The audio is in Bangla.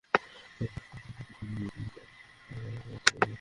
তাও তুমি তোমার আমার সাথে করতে পেরেছো।